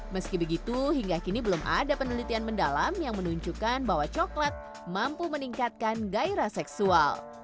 meski begitu hingga kini belum ada penelitian mendalam yang menunjukkan bahwa coklat mampu meningkatkan gairah seksual